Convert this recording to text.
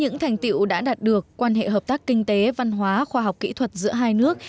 những thành tiệu đã đạt được quan hệ hợp tác kinh tế văn hóa khoa học kỹ thuật giữa hai nước